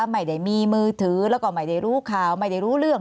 ไม่ได้มีมือถือแล้วก็ไม่ได้รู้ข่าวไม่ได้รู้เรื่อง